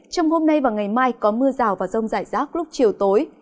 trong hôm nay và ngày mai có mưa rào và rông rải rác lúc chiều tối